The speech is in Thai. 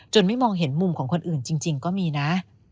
ไม่มองเห็นมุมของคนอื่นจริงก็มีนะ